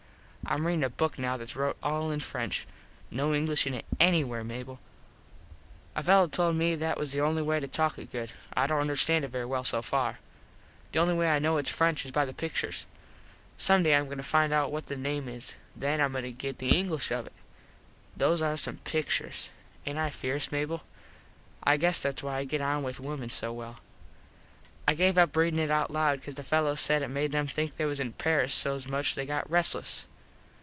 Im readin a book now thats rote all in French. No English in it anywhere, Mable. A fello told me that was the only way to talk it good. I dont understand it very well so far. The only way I kno its French is by the picturs. Some day Im goin to find out what the name is. Then Im goin to get the English of it. Those are some picturs. Aint I fierce, Mable? I guess thats why I get on with wimen so well. I gave up readin it out loud cause the fellos said it made em think they was in Paris so much they got restles.